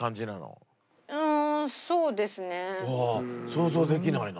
想像できないな。